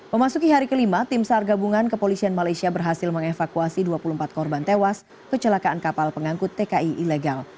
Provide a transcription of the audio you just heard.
memasuki hari kelima tim sar gabungan kepolisian malaysia berhasil mengevakuasi dua puluh empat korban tewas kecelakaan kapal pengangkut tki ilegal